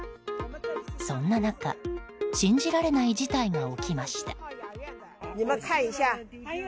そんな中信じられない事態が起きました。